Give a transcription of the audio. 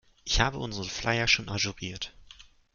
Ich hab unseren Flyer schon ajouriert.